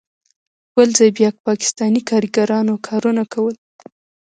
بل ځای بیا پاکستانی کاریګرانو کارونه کول.